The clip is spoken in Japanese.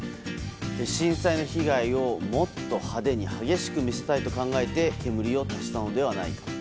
震災の被害をもっと派手に激しく見せたいと考えて煙を足したのではないかと。